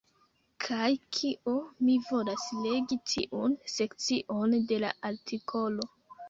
Kaj kio? Mi volas legi tiun sekcion de la artikolo.